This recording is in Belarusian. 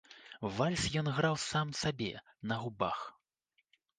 Вальс ён граў сам сабе на губах.